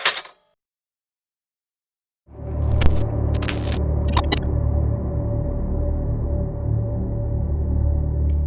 สถานทศพลังงานตั้งบวง